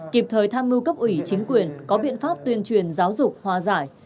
kịp thời tham mưu cấp ủy chính quyền có biện pháp tuyên truyền giáo dục hòa giải